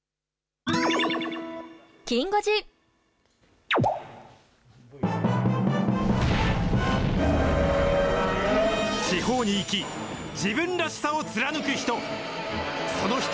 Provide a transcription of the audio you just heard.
地方に生き、自分らしさを貫く人。